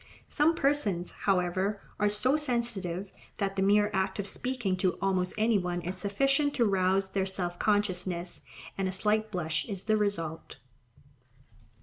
Some persons, however, are so sensitive, that the mere act of speaking to almost any one is sufficient to rouse their self consciousness, and a slight blush is the result.